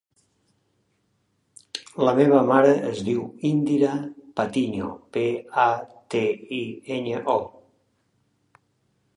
La meva mare es diu Indira Patiño: pe, a, te, i, enya, o.